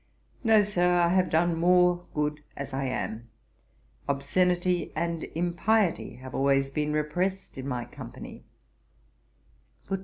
'No, Sir; I have done more good as I am. Obscenity and Impiety have always been repressed in my company.'